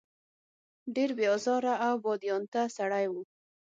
ډېر بې آزاره او بادیانته سړی و.